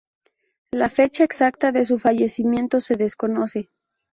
La fecha exacta de su fallecimiento se desconoce.